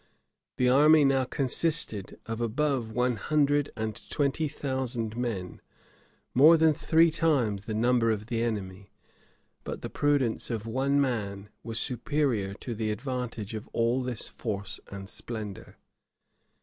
The army now consisted of above one hundred and twenty thousand men, more than three times the number of the enemy. But the prudence of one man was superior to the advantage of all this force and splendor.